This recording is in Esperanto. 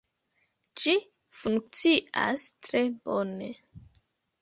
Ĝi funkcias tre bone